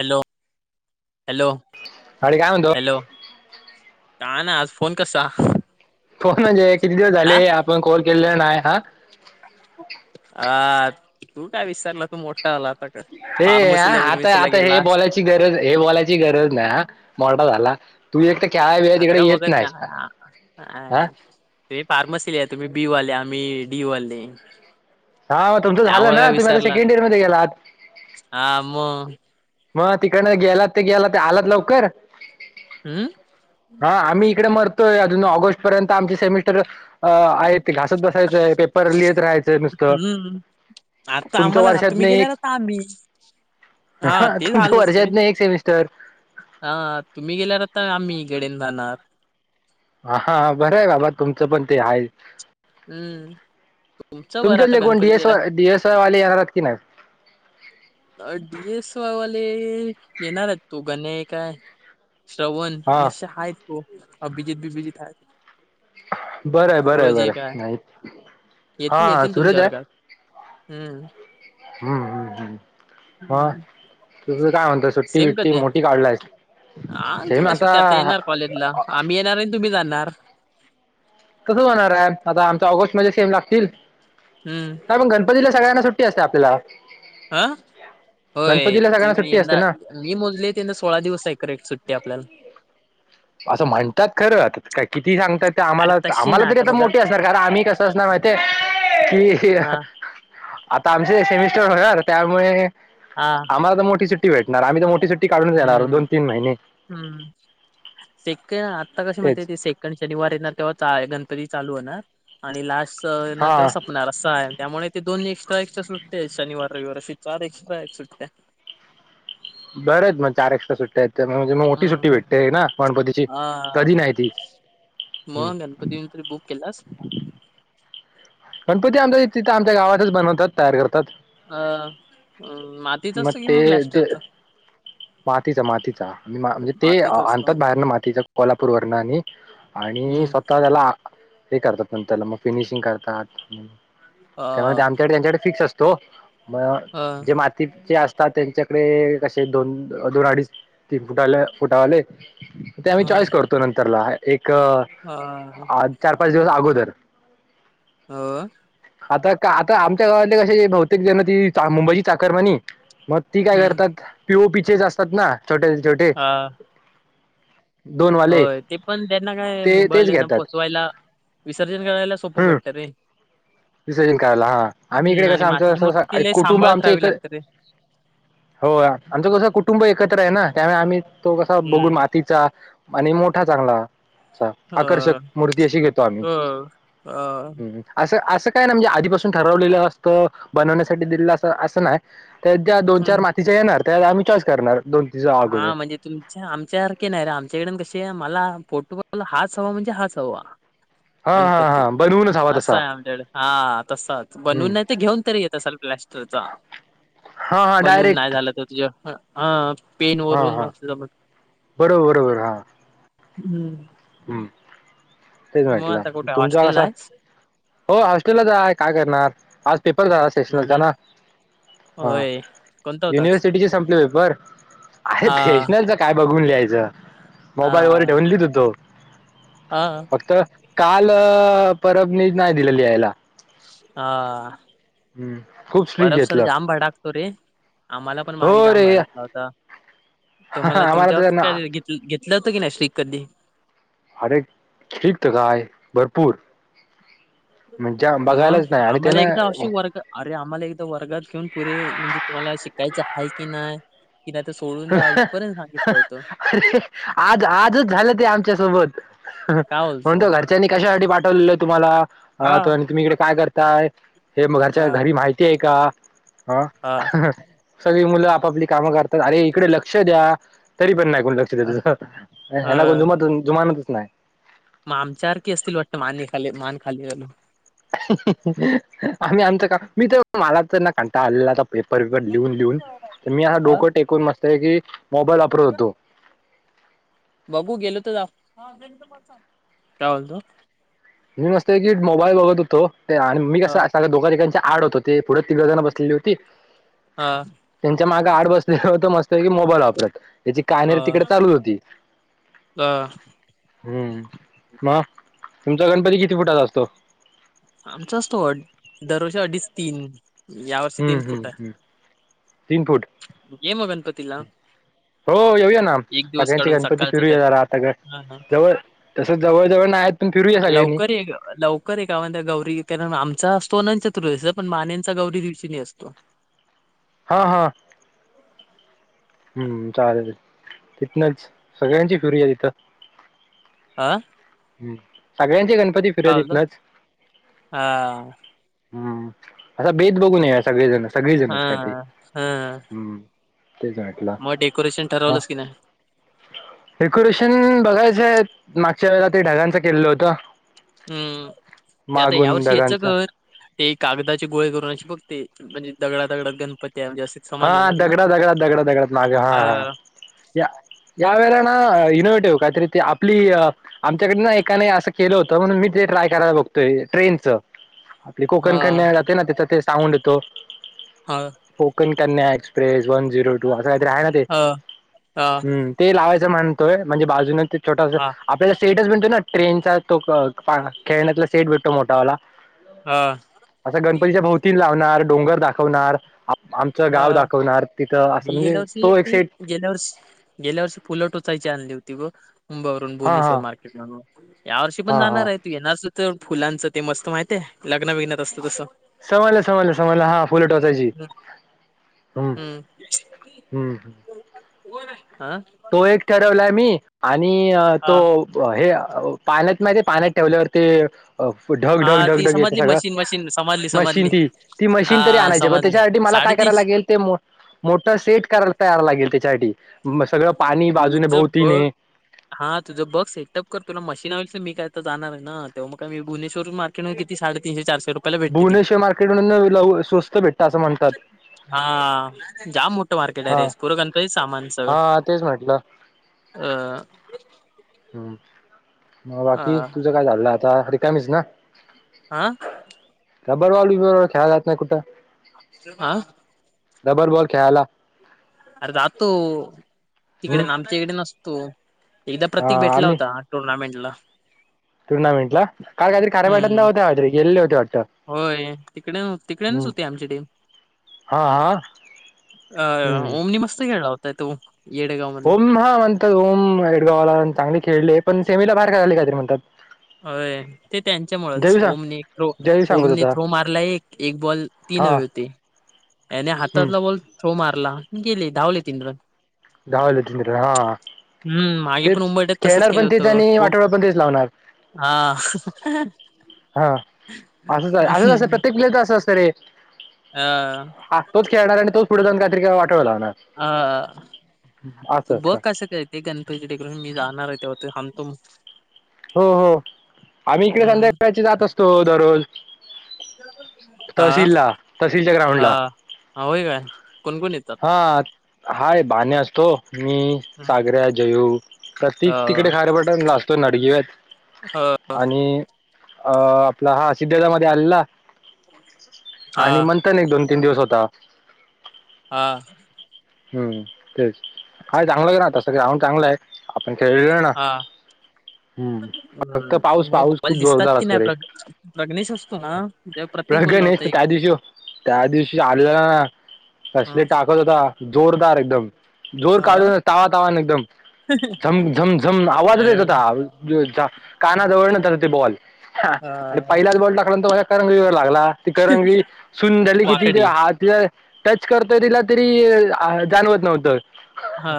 Hello! Hello! अरे! काय म्हणतो? हॅलो! काय नाय आज फोन कसा? फोन म्हणजे, किती दिवस हा झाले आपण कॉल केलेला नाही हा. आ तू काय विसारला, तू मोठा झाला आता का? हे अ फार्मसीला आता बिर्मसीला आता हे गेलास बोलायची, गरज हे बोलायची गरज नाय हा. मोठा झाला, तू एक टक आता काय बोलता, येत नाय? या हा त फार्मसीले तुम्ही, बी वाले आम्ही डी वाले. हा म तुमचं झालं त्यामुळे ना, काय तुम्ही आता विसरलात सेकंड इयर मध्येे गेलात. हा म म तिकडनं गेलात ते गेलात, ते आलात लवकर. हम्म! हा आम्ही इकडं मरतोय, अजून ऑगस्ट पर्यंत आमचं सेमीस्टर अ आहेत ते घासत बसायचंय पेपर लिहीत राहायचं. नुसतं हम्म! आता तुमच्या आम्हाला आता वर्षात तुम्ही गेल्यानंतर आम्ही ह हा ते तुमचं झालंच रे वर्षातनं एक सेमिस्टर. हा तुम्ही गेल्यानंतर आम्ही, इकडे येवून जाणार. ह हा बरंय बाबा तुमचं, पण ते आहे. हम्म तुमचं बरं आता तुमच्यातले कोण गणपतीच्या डीएसवाय डीएसवाय वाले येणारात की नाही? अ डिएसवाले येणार आहेत, तू [unintelligible] काय? श्रवण हा आणि [unintelligible] अभिजित बिबिजीत हाय. बरं आहे बरं आहे सुरज बरं एक हाय आहे नाही हा येतील, हा येतील सूरज तुमच्या वर्गात. हम्म! हम हम हम तुज काय म्हणतो, सुट्टी बीट्टी मोठी काढलायसं? हा, आमची काय सुट्टी आता येणार कॉलेजला आम्ही येणार आण तुम्ही जाणार. कसं होणारायं आता आमचं ऑगस्ट मध्ये सेम लागतील. हम्म! नाय मग गणपतीला सगळ्यांना सुट्टी असते, आपल्याला. अ होय, गणपतीला ते सगळ्यांना बी सुट्टी असते यंदा ना मी मोजले त्यांना सोळा दिवस हाय करेक्ट सुट्टी आपल्याला. असं म्हणतात, खरं काय किती सांगतायेत? अरे आम्हाला तशी आम्हाला ना तरी आता बघा मोठी असणार, कारण आम्ही कसं असणार माहितीये की हा आता आमचे सेमिस्टर होणार त्यामुळे, हा. म आता मोठी सुट्टी भेटणार, आम्ही तर मोठी सुट्टी काढूनचं येणार हम्म दोन- तीन महिने. हम्म! सेक आता कसं माहितीयं तेच ते सेक कधी शनिवार येणार तेव्हा, [unintelligible] गणपती चालू होणार, आणि लास्ट येणार हा तेव्हा सपणार. असं हाय आणि त्यामुळे ते दोन एक्स्ट्रा एक्स्ट्रा सुट्टया हायतं शनिवार, रविवार अशी चार एक्स्ट्रा आहेत सुट्टया. बरं त मग चार एक्स्ट्रा सुट्यायेत तर, म्हणजे मग मोठी सुट्टी हम्म. भेटते ना. गणपतीची हा कधी नाही ती. कधी येऊन, तर बुक केलास? गणपती आमच्या तिथं आमच्या गावातच बनवतात, तयार करतात. अ मातीचा मग असतो, कि ते म ते प्लास्टरचा? मातीचा मातीचा म्हणजे, ते मातीच असतं आणतात बाहेरन मातीचा कोल्हापूर वरन आणि आणि हम्म स्वतः त्याला आ हे करतात, पण त्याला मग फिनिशिंग करतात, अ त्यामुळं आमच्याकडे त्यांच्याकडे फिक्स असत. तो मग अ जे मातीचे असतात, त्यांच्याकडे कसे दोन, दोन अडीच ती फुटाल्या फुटावाले ते आम्ही चॉईस करतो नंतरला एक अ अ चार पाच दिवस अगोदर. हो आता का आता आमच्या गावातले कशे बहुतेक जनाची मुंबईची चाकार म्हणे मग ती काय हम्म करतात पिओ पीचेच असतात ना छोटे छोटे दोन हो वाले ते पण त्यांना काय ते तेच मुंबईल्याना घेतात पोचवायला विसर्जन करायला सोप हम्म पटतं रे. विसर्जन करायला हा आम्ही हम्म इकडे आणि कसं मातीची कसं मूर्ती आमचं लय कुटुंब सांभाळत आमचं इ राहावी लागते रे. हो आमचं कसं कुटुंब एकत्र आहे ना त्यामुळे आम्ही तो कसा बघून हम्म मातीचा आणि मोठा चांगला अ आकर्षक मूर्ती अशी घेतो आम्ही अ अ हम् हम असं असं काय ना म्हणजे आधीपासून ठरवलेलं असतं बनवण्यासाठी दिलेलं अस असं नाही. त्या ज्या दोन हम्म चार मातीच्या येणार त्या आम्ही चॉस करणार दोन तिच्या हा अगोदर म्हणजे तुम् अच्छा आमच्यासारखे नाही रे आमच्याईडन कसे मला फोटो हाच हवा म्हणजे हाच हवा. हा हा गणपती. हा बर असं आहे आमंचाकडे हा तसाच हम्म बनवून नाही तर घेऊन तरी येत असाल प्लॅस्टरचा. हा हा बनून नाही डायरेक्ट झालं तर तुझ क हं पेन हा वरून हा नसलं मग बरोबर बरोबर हा हम्म- हम्म तेच मग म्हटलं आता कुठे तुमच हॉस्टेलला कसा आहेस? हो हॉस्टेलला हाय काय करणार आज पेपर झाला सेशनलचा हम्म ना हा होय कोणता होता आज? युनिव्हर्सिटीची संपली पेपर आहे आ फॅशनल काय बघून लिहायच. हा हा तर काल परबनी नाही दिलेली यायला हा खूप स्ट्रीक पररबसर घेतलं जाम भडाक सोरी आम्हाला पण मागे हो रे आंबाळ टाकला होता तुम्हाला आम्हाला तर ना तुमच्यावर तू घेतलं होतं की नाही श्रीक कधी? अरे ठीक तर जाय भरपूर म्हणजे मग बघायलाच नाही आणि त्यान आम्हाला एकदा अशी वर्ग अरे आम्हाला इथ वर्गात घेऊन पुरे म्हणजे तुम्हाला शिकायच आहे की नाही. कि ते सोळ अरे आज आजच झालं ते आमच्यासोबत काय बोलतो? म्हणतो घरच्यांनी कशासाठी पाठवलेलं आहे तुम्हाला हा त आणि तुम्ही इकडे काय करताय हे मग घरच्या हा घरी माहिती आहे का ह हा सगळी मुलं आपापली कामं करतात अरे इकडे लक्ष द्या तरी पण नाही कोण लक्ष हा झ याला कोण हा. जुम जुमानातच नाही. मग आमच्यासारखी असतील वाटत मान खाली मान खालील आम्ही आमच का मी तर मला तर ना कांटा आल्ला पेपर विकर लिहून लिहून तर मी असा हा डोकं टेकून मस्तय की मोबाईल वापरत होतो. बबू गेलो तर काय बोलतो? मी मस्तय की मोबाईल बघत होतो ते आणि मी हा कस अस दोघ ठिकाच्या आड होत. ते पुढं तिघळजणना बसलेली होती. हा त्यांच्या मागे आड बसले होत मस्त की मोबाईल वापरत. याची कायनेरी तिकडे चालू होती. ह हम्म मग तुमचा गणपती किती फुटाचा असतो? आमचा असतो दरवर्षी अडीच तीन. यावर्षी हम्म तीन हम् फुट हम् तीन फुट. ये मग गणपतीला. हो येऊया ना, एक दिवस सगळ्यांचे काढून गणपती सकाळचा फिरूया तरी जरा, आता ग हा हा जवळ तस जवळ जवळ नाहीत हा लवकर ये ग लव कधी गावातल्या म्ह त्या गौरी कारन आमचा असतो अनंत चतुर्दशीचा, पण माण्यांचा गौरी दिवशी ले असतो. हा हा. [inaudible] हम्म चालेल. तिथनंच सगळ्यांची फिरुया तिथं आं. हम्म सगळ्यांचे गणपती फिरुया बोलता हितनचं हा हम्म. असा बेत बघून या सगळेजण हा सगळेजणच काय ते हा हम्म ते जा हाय. मग डेकोरेशन ठरवलंस की नाय. डेकोरेशन बघायचंय मागच्या वेला ते ढगांच केलं होत. हम्म ते आता या वर्षी हेच ढगांचं कर ते कागदाची गोळे करूनची बघते, म्हणजे दगडा दगडात गणपत्या म्हणजे असे हा समजलं ना तुला दगडा दगडा दगडा दगडात माग हा हा या या वेळेला ना इनोव्हेटिव काहीतर ते आपली आमच्याकडे ना एकाने असं केलं होतं, म्हणून मी ते ट्राय करायला बघतोय ट्रेनचं. ते हा कोकण कन्या जाते ना, तिथ ते साऊंड येतो. हा Konkan Kanya express one zero two असं काहीतरी आहे ना ते हा हा हम ते लावायचं म्हणतोय म्हणजे बाजून ते छोटास आपल्याला स्टेटस म्हणतो ना ट्रेनचा तो अ क खेळण्यातला सेट भेटतो मोठावाला. हां. असं गणपतीच्या भोवतीन लावणार, डोंगर दाखवणार आमचं हा गाव दाखवणार, तिथं असं मी म्हणजे गेल्या वर्षी तो एक ती सेट गेल्या वर्ष गेल्या वर्षी फुलं टोचायची आणली होती, बघ मुंबईवरून हा भुवनेश्वर हा मार्केट मधून या वर्षी पण हा हा जाणार आहे. तू येणार असशील तर, फुलांचं ते मस्त माहीतीे हाय, लग्नात बीघ्नात असतं तसं. समजलं समजलं समजलं हा. फुलं टोचायची. हम्म हम्म हम्म आ तो एक ठरवलाय मी आणि तो हा ओ हे अ पाण्यात माहिती आहे, पाण्यात ठेवल्यावर ते अ ढग ढग हा ढग ती ढग येते समजली सगळं मशीन मशीन समजली मशीन समजली ती, ती मशीन तरी हा आणायची बघ. समजली त्याच्यासाठी मला काय कराय साडेतीनशे लागेल. ते मो मोट सेट करायला तयार लागेल, त्याच्यासाठी सगळं पाणी बाजूने तुझं बघ भोवतीने हा तुझं बस सेटअप कर, तुला मशीन हवी असेल तर, मी काय तर जाणार आहे ना, तेवा म का मी भुनेश्वर मार तिला किती साडे तीनशे चारशे रूप यला भेटते ते भुवनेश्वर मार्केट म्हणून स्वस्त भेटत असं म्हणतात हा जाम मोठ. मार्केट आहे हा रे पूर गणपतीचं सामान सगळ. हा तेच म्हटलं. अ. हम् मग बाकी अ तुझं काय चाललंय आता रिकामीच ना? आ. कबड वाली बरोबर खेळाय जात नाही कूठं? आ आ. डबल बॉल खेळायला. अरे जातो तिकडे, हम्म आमच्या इकडे नसतो, एकदा प्रतीक हा भेटला होता. टूर्नामेंट ला. टुर्नामेंट ला हा काहीतरी कराय भेटत हम्म नवत ते काहीतरी गेलेले होते वाटतं. होय तिकडे तिकडेनच होती, आमची टीम हा हा. अ हम्म ओमनी मस्त खेळला होताय तो येडगाव. होम हा म्हणतात होम एडगावाला चांगली खेळली पण सेमीला बाहेर काय झाले काहीतरी म्हणतात. अ ते त्यांच्यामुच जयू सांग ओमने्रो जयू सांगत होमने होता थ्रो मारला एक एक बॉल तीन हा हवे होते. याने हम्म हातातला बॉल थ्रो मारला गेले धावले तीन पण धवलं त हा हम्म मागे पण तेच उंबरठ्यात तसंच खेळणार केलं पण तेच होतं आणि थ्रो वाटड पण तेच लावणार. हा. हा असं असंच असत प्रत्येक प्लेयरच असं असतं रे. हम्म. आ तोच खेळणार आणि तोच पुढे जाण काहीतरी वाटाव लावणार. अ तू असं बघ असतं कसं काही. ते गणपती डेकोरेशन मी जाणार आहे तेवर हमतो. हो हो आम्ही इकडे हम्म संध्याकाळची जात असतो दररोज. हा तहसीलला तहसीलच्या हा ग्राउंडला होय काय कोणकण येतो. हा हाय बाने असतो मी हम्म, सागऱ्या जयू हा प्रत्येक तिकडे खार पट ला असतोय नडगेवत आणि- अ आपला हा सिद्धडा म आल्ला हा आणि म एक दोन तीन दिवस होता. हा. हम्म तेच आहे चांगलं ना तसं ग्राउंड चांगलं आहे आपण खेळल ना. हम्म फक्त पाऊस हम् मग पाऊस खूप बवाल दिसतात जोरदार कि असतो नाही रे प्र प्रग्नेश असतो ना. जव्हा प्रतीक बोलला प्रगणेश होता तर एक त्या दिस दिवशी त्या दिवशी आल्याला ना हा कसले टाकत होता जोरदार एकदम जोर हा काढून तावा तावान एकदम झम झम झम अ आवाजचं येत होता. [unintelligible] काना जवळण [unintelligible] बॉल हा आणि पहिलाच बॉल टाक. माझ्या डोया करंगळी वर लागला ती करंगळी सुंद झाली कि ति ते वाकडी हात तिला टच करतोय तिला तरी आ जाणवत नव्हतं. हा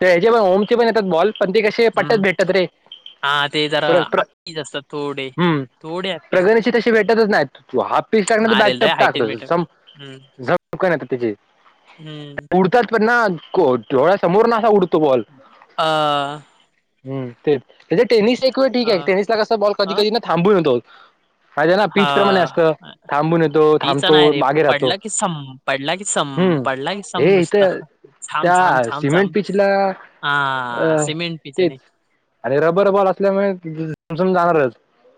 त्या ह्याचे पण होमचे पण येतात बॉल पण ते का. े पटत हम्म भेटत रे. हा ते जरा प्र प्र आपी असतात थोडे थोडे हॅप्पीच प्रगणीची तशी भेटतच नाही तू हाफ पीस टाकण नाय बॅट रे लय टप हायटेड टाकतो मेटेड झ हम्म नाही. हम्म त्या उडतात पण ना ोळ्या समोर ना उडत. हा. हम्म तेचं ते काय टेनिस एक वेळ ठीक अ आहे टेनिसला कस बॉल कधी अ कधी ना थांबून येतो. माझे ना पीचप्रमाणे हा असत थांबून येतो तीच नाही थांबतो रे मागे राहतो. पडला की सम. पडला की सम हम्म पडला की सम हे नुसता. इथं छाम त्या छाम छाम सिमेंट छम पिचला हा सिमेंट पिच आहे नाही. आरे रबर बॉल असल्यामुळे ती झमझमणारच.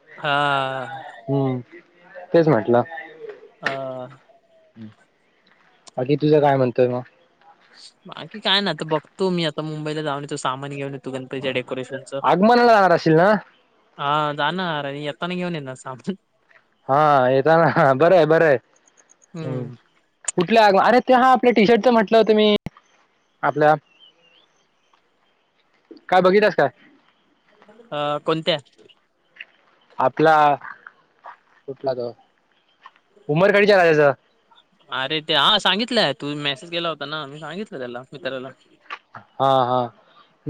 हा. हम्म तेच म्हटलं. हा. हम्. बाकी तुझं काय म्हणतोय मग. बाकी काय नाय आता बघतो मी आता मुंबईला जाऊन येतो सहा महिने गेलो. तू गणपतीच्या डेकोरेशनच. आगमनाला जाणार असशील ना हा जाणार आणि येताना घेऊन येणार सामान. हा येताना बरंय बरंय हम्म हम्. कुठल्या अगं अरे ते हा आपल्या टी शर्टच म्हटलं होतं मी आपल्या. काय बघितलास काय. अ कोणत्या आपला कुठला ते उमर [unintelligible] अरे ते हा सांगितलंय तूम्ही मेसेज केला होता ना मी सांगितलं त्याला मित्राला हा हा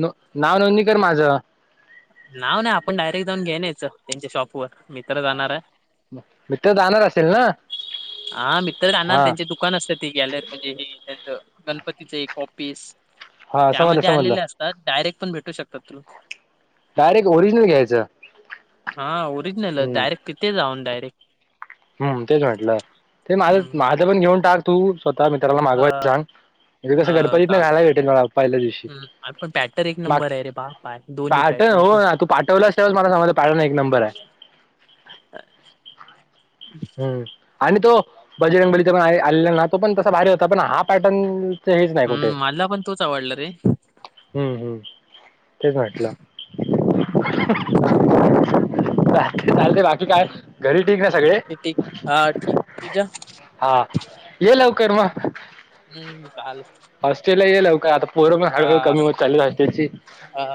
नु नाव नोंदणी कर माझं नाव नाही आपण डायरेक्ट जाऊन घेऊन यायचं त्यांच्या शॉप वर मित्र जाणार आहे म मित्र जाणार असेल ना हा मि तर जाणार हा त्यांचे दु दुकान असत ती गॅलरी म्हणजे हे त्याच गणपतीच एक ऑफिस हा समजलं त्यामध्ये समजलं आलेले अस तात डायरेक्ट पण भेटू शकतात तूला डायरेक्ट ओरिजिनल घ्यायचं हा ओरिजनल आहे हम्म डायरेक्ट तिथे जाऊन डायरेक्ट हम्म तेच म्हटलं ते माझं हम्म माझं पण घेऊन टाक तू स्वतः मित्राला अ मागवायला सांग म्हणजे कसं गणपतीतन चालत घालायला भेटेल पहिल्या दिवशी हम् पण पॅटर्न एक माग नंबर आहे रे बा पाय दोन्ही पॅटर्न पाटव पण अरे तू पाठवलस त्यावेळीच मला समजलं पॅटर्न एक नंबर आहे अ हम्म आणि तो बजरंगबलीचा पण आले आलेला ना तो पण तसा भारी होता पण हा पॅटर्न ते हेच नाही कुठे हम्म मला पण तोच आवडला रे हम्म हम्म तेच म्हटलं चालत चालतंय बाकी काय घरी ठीक ना सगळे ठीक ठीक हा ठीक तुझ्या हा ये लवकर हम्म काल हॉस्टेल ला गेल्यावर काय आता पोर म हाळू हळू कमी होत आली हॉस्टेलची हा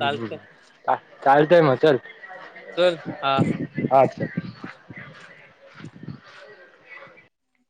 चालत चा चालतय म चल चल हा हा चल